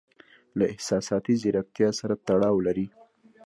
له احساساتي زیرکتیا سره تړاو لري.